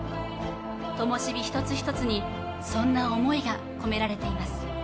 ともし火一つ一つにそんな思いが込められています。